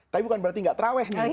tapi bukan berarti gak taraweh